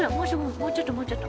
もうちょっともうちょっと。